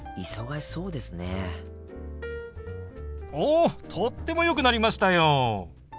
おとってもよくなりましたよ！